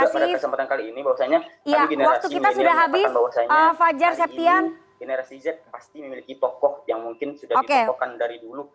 pada kesempatan kali ini bahwasannya tadi generasi media mengatakan bahwasannya hari ini generasi z pasti memiliki tokoh yang mungkin sudah ditokohkan dari dulu